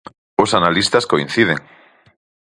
Os analistas coinciden.